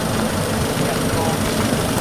鐮刀